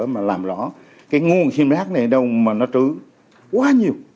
mà làm rõ cái nguồn sim rác này ở đâu mà nó trứ quá nhiều